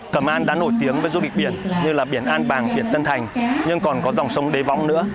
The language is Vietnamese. cẩm an đã nổi tiếng với du lịch biển như là biển an bàng biển tân thành nhưng còn có dòng sông đê võng nữa